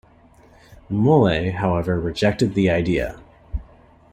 Molay, however, rejected the idea.